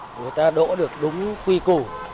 người ta đỗ được đúng quy củ